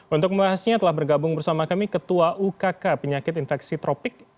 untuk membahasnya telah bergabung bersama kami ketua ukk penyakit infeksi tropik